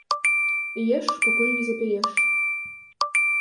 Еш, пакуль не запяеш.